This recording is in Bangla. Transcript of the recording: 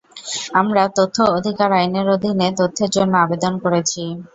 আমরা তথ্য অধিকার আইনের অধীনে তথ্যের জন্য অবেদন করেছি।